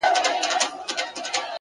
هره لاسته راوړنه د جرئت ثمره ده!